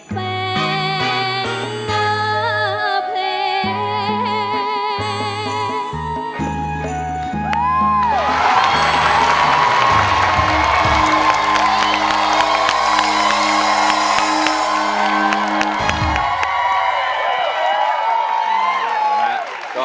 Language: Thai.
เป็นเพลง